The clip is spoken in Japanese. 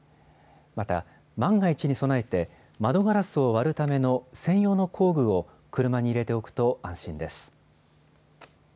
また、万が一に備えて、窓ガラスを割るための専用の工具を車に入れておくと安心です。